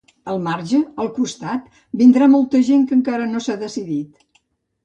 Al marge, al costat, vindrà molta gent que encara no s’ha decidit.